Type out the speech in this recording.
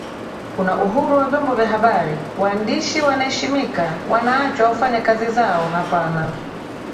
kuna uhuru wa vyombo vya habari waandishi wanaeshimika wanaachwa wafanye kazi zao hapana